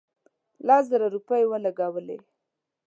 لس زره روپۍ ولګولې.